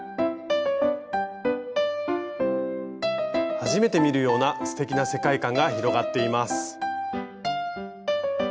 初めて見るようなすてきな世界観が広がっています。